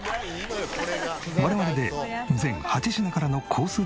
我々で全８品からのコース